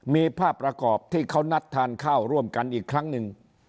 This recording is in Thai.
มีภาพประกอบที่เขานัดทานข้าวร่วมกันอีกครั้งหนึ่ง